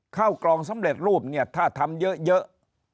ข้าวกล่องสำเร็จรูปเนี่ยถ้าทำเยอะ